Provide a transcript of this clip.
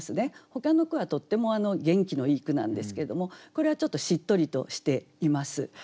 ほかの句はとっても元気のいい句なんですけれどもこれはちょっとしっとりとしています。